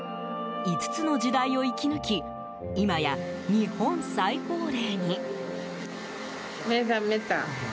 ５つの時代を生き抜き今や日本最高齢に。